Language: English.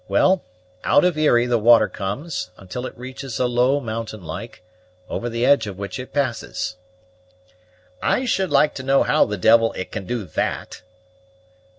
Well, out of Erie the water comes, until it reaches a low mountain like, over the edge of which it passes." "I should like to know how the devil it can do that?"